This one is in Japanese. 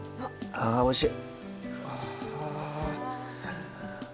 ああおいしい。